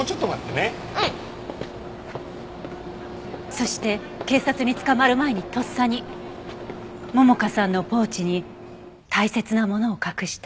そして警察に捕まる前にとっさに桃香さんのポーチに大切なものを隠した。